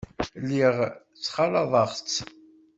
Lliɣ ttxalaḍeɣ-tt.